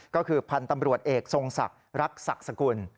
ก็คือพันธ์ตำรวจเอกทรงศักดิ์รักศักดิ์สกุล